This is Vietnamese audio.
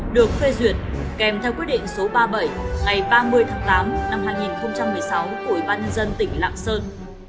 được phê duyệt kèm theo quyết định số ba mươi bảy ngày ba mươi tháng tám năm hai nghìn một mươi sáu của ủy ban nhân dân tỉnh lạng sơn